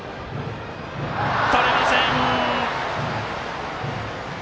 とれません！